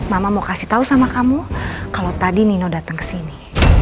mama mau kasih tahu sama kamu kalau tadi nino datang ke sini